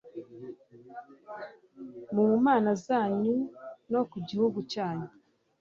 ku mana zanyu no ku gihugu cyanyu